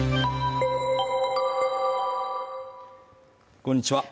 こんにちは